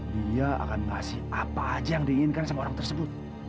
dia akan ngasih apa aja yang diinginkan sama orang tersebut